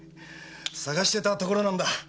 捜してたところなんだ。